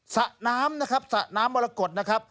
สระน้ำนะครับสระน้ำมรกฏนะครับ